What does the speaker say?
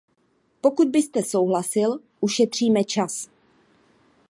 Pokud byste souhlasil, ušetříme čas.